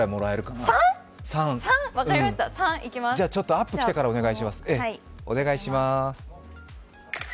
アップきてからお願いします。